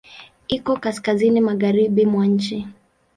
Iko kaskazini magharibi mwa nchi.